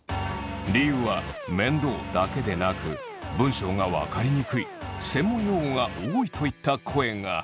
理由は面倒だけでなく文章がわかりにくい専門用語が多いといった声が！